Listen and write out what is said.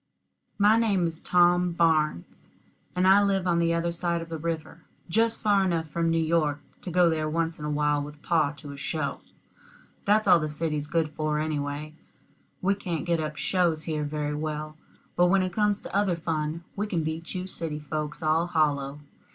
My name is Tom Barnes, and I live on the other side of the river, just far enough from New York to go there once in a while with pa to a show. That's all the city's good for, anyway. We can't get up shows here very well; but when it comes to other fun, we can beat you city folks all hollow.